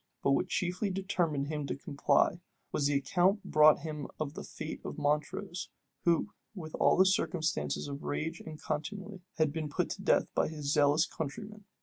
But what chiefly determined him to comply, was the account brought him of the fate of Montrose, who, with all the circumstances of rage and contumely, had been put to death by his zealous countrymen.